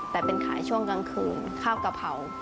แต่เป็นขายช่วงกลางคืนข้าวกะเพรา